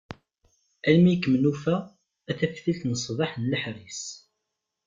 Almi i kem-nufa, a taftilt n ṣṣbeḥ n leḥris.